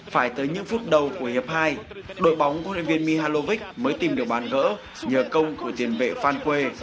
phải tới những phút đầu của hiệp hai đội bóng của huấn luyện viên mihalovic mới tìm được bàn gỡ nhờ công của tiền vệ phan que